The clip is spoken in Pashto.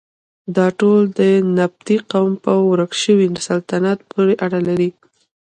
دا ټول د نبطي قوم په ورک شوي سلطنت پورې اړه لري.